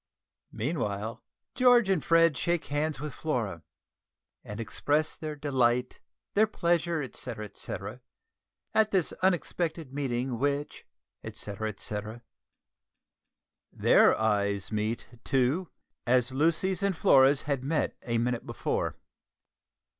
Meanwhile George and Fred shake hands with Flora, and express their "delight, their pleasure, etcetera, at this unexpected meeting which, etcetera, etcetera." Their eyes meet, too, as Lucy's and Flora's had met a minute before.